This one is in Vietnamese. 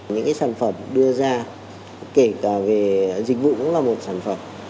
những sản phẩm đưa ra kể cả về dịch vụ cũng là một sản phẩm